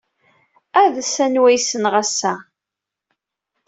Ades anwa ay ssneɣ ass-a!